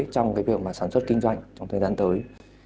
trong việc sản xuất kinh doanh trong thời gian tới